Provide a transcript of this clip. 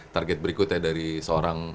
target berikutnya dari seorang